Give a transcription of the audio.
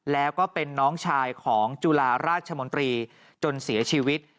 แล้วก็เป็นน้องชายของจุฬาราชมนตรีจนเสียชีวิต